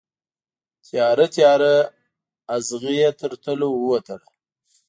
تیاره، تیاره اغزې یې تر تلو ووتله